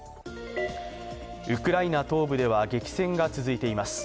ウクライナ東部では激戦が続いています。